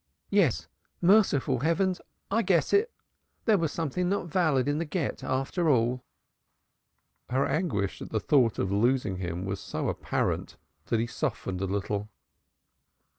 "Yes. Merciful heavens! I guess it! There was something not valid in the Gett after all." Her anguish at the thought of losing him was so apparent that he softened a little.